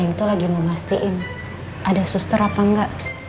neneng itu lagi mau mastiin ada suster apa enggak